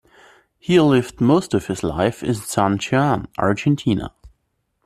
He lived most of his life in San Juan, Argentina.